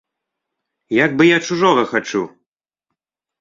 Як бы я чужога хачу!